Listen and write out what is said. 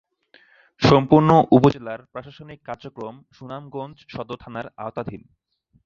সম্পূর্ণ উপজেলার প্রশাসনিক কার্যক্রম সুনামগঞ্জ সদর থানার আওতাধীন।